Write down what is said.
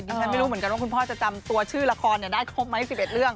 ฉันไม่รู้เหมือนกันว่าคุณพ่อจะจำตัวชื่อละครได้ครบไหม๑๑เรื่อง